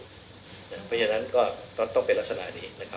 เพราะฉะนั้นก็ต้องเป็นลักษณะนี้นะครับ